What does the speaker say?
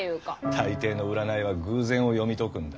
大抵の占いは偶然を読み解くんだ。